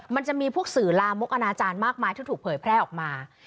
มันจะมีพวกสื่อลามกอนาจารย์มากมายที่ถูกเผยแพร่ออกมา